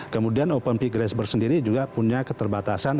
kemudian open peak grasberg sendiri juga punya keterbatasan